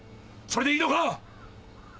それでいいのか⁉